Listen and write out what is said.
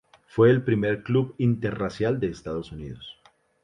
Fue el primer club interracial de Estados Unidos.